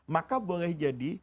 maka boleh jadi